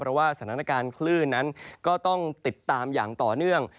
เพราะว่าสถานการณ์คลื่นนั้นก็ต้องติดตามอย่างต่อเนื่อง